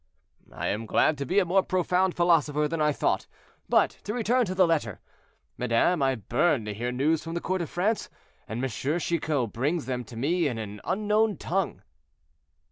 "I am glad to be a more profound philosopher than I thought—but to return to the letter. Madame, I burn to hear news from the court of France, and M. Chicot brings them to me in an unknown tongue."